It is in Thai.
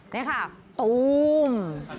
นี่ค่ะตูม